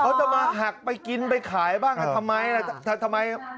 เขาก็มาหักไปกินไปขายบ้างทำไม